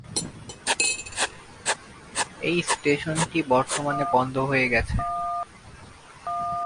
এই স্টেশনটি বর্তমানে বন্ধ হয়ে গেছে।